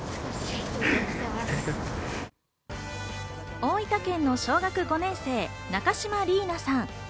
大分県の小学５年生・中島莉衣奈さん。